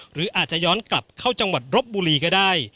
หรืออาจจะย้อนกลับเข้าจังหวัดรบบุรีก็ได้